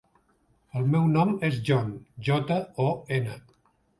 El meu nom és Jon: jota, o, ena.